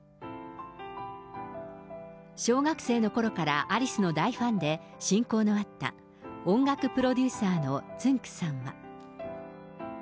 小学生のころからアリスの大ファンで、親交のあった音楽プロデューサーのつんく♂さんは。